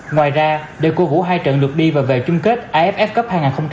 ngoài ra để cố gũ hai trận lượt đi và về chung kết aff cup hai nghìn hai mươi hai